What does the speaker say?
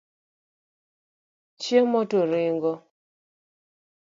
Chiemo to ringo.